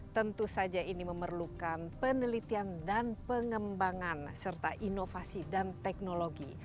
tentu saja ini memerlukan penelitian dan pengembangan serta inovasi dan teknologi